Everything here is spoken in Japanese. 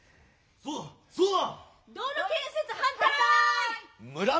そうだそうだ！